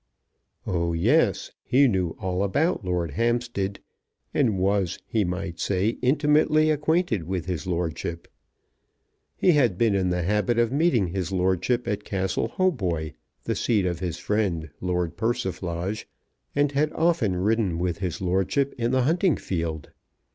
"Oh, yes; he knew all about Lord Hampstead, and was, he might say, intimately acquainted with his lordship. He had been in the habit of meeting his lordship at Castle Hautboy, the seat of his friend, Lord Persiflage, and had often ridden with his lordship in the hunting field.